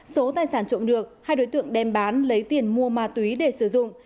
số tài sản trộm được hai đối tượng đem bán lấy tiền mua ma túy để sử dụng